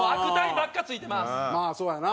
まあそうやな。